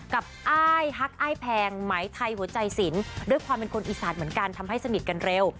อ้ายฮักอ้ายแพงไหมไทยหัวใจสินด้วยความเป็นคนอีสานเหมือนกันทำให้สนิทกันเร็ว